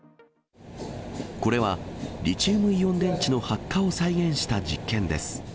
これは、リチウムイオン電池の発火を再現した実験です。